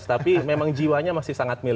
tapi memang jiwanya masih sangat mirip